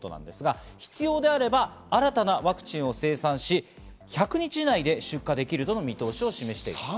必要であれば新たなワクチンを生産し、１００日以内に出荷できるとの見通しを示しています。